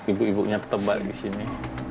ibu ibunya ketebal di sini